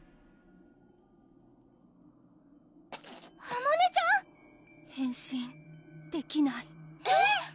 あまねちゃん？変身できないえっ